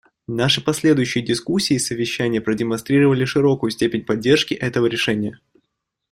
Наши последующие дискуссии и совещания продемонстрировали широкую степень поддержки этого решения.